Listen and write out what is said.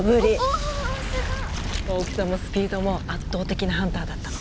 大きさもスピードも圧倒的なハンターだったの。